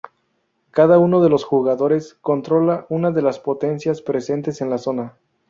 Cada uno de los jugadores controla una de las potencias presentes en la zona.